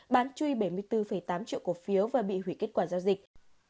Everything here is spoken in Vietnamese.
bán chui bảy mươi bốn tám triệu cổ phiếu và bị hủy kết quả giao dịch